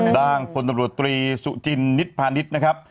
ด้างพนตำรวจตรีสูจินนิดพานิดนะครับ